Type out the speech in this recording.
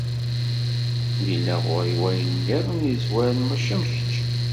Yella ɣur-i wayen nniḍen yezwaren, mačči am kečč.